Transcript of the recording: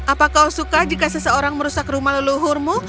apa kau suka jika seseorang merusak rumah leluhurmu